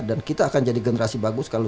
dan kita akan jadi generasi bagus kalau